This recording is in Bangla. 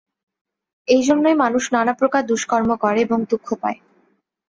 এই জন্যই মানুষ নানাপ্রকার দুষ্কর্ম করে এবং দুঃখ পায়।